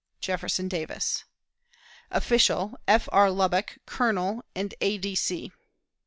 "JEFFERSON DAVIS. "Official: F. R. LUBBOCK, _Colonel and A. D.